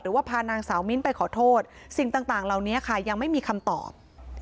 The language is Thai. พานางสาวมิ้นไปขอโทษสิ่งต่างเหล่านี้ค่ะยังไม่มีคำตอบ